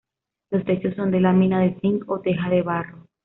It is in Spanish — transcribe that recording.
Los techos son de lámina de zinc o teja de barro.